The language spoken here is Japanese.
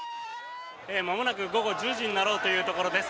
まもなく午後１０時になろうというところです。